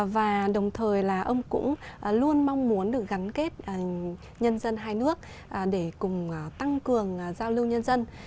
và đồng thời là ông cũng luôn mong muốn được gắn kết nhân dân hai nước để cùng tăng cường giao lưu nhân dân